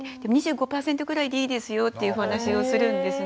２５％ぐらいでいいですよっていうお話をするんですね。